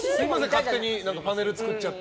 勝手にパネル作っちゃって。